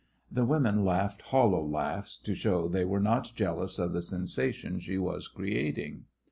The women laughed hollow laughs, to show they were not jealous of the sensation she was creating.